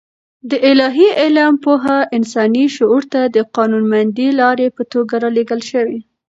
د الاهي علم پوهه انساني شعور ته د قانونمندې لارې په توګه رالېږل شوې.